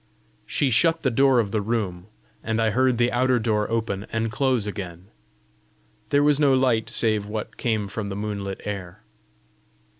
She shut the door of the room, and I heard the outer door open and close again. There was no light save what came from the moonlit air.